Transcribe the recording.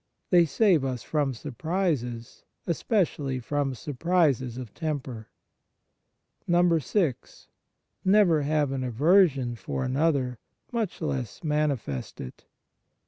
They save us from surprises, especially from surprises of temper. 6. Never have an aversion for another, much less manifest it.